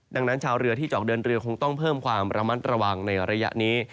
ดังนั้นชาวเรือที่จะออกเดินเรือคงต้องเพิ่มความระมัดระวังในระยะนี้